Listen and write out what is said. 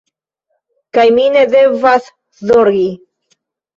Kaj mi ne devas zorgi.